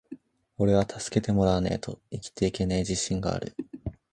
｢おれは助けてもらわねェと生きていけねェ自信がある!!!｣